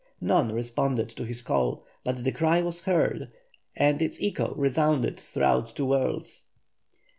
None responded to his call, but the cry was heard, and its echo resounded through two worlds.